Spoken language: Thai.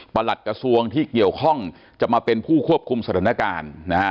หลัดกระทรวงที่เกี่ยวข้องจะมาเป็นผู้ควบคุมสถานการณ์นะฮะ